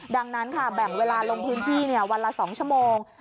ดังนั้นค่ะแบ่งเวลาลงพื้นที่วันละ๒ชั่วโมง